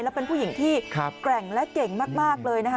และเป็นผู้หญิงที่แกร่งและเก่งมากเลยนะคะ